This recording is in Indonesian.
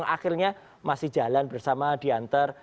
akhirnya masih jalan bersama diantar